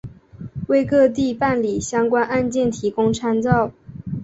为各地办理相关案件提供参照